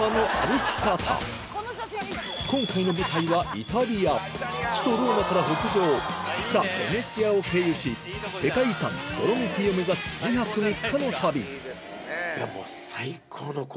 今回の舞台はイタリア首都ローマから北上ピサベネチアを経由し世界遺産ドロミティを目指すまさに。